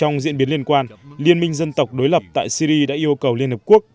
ngoài quan liên minh dân tộc đối lập tại syri đã yêu cầu liên hợp quốc